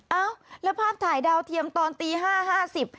เอ้าแล้วภาพถ่ายดาวเทียมตอนตี๕๕๐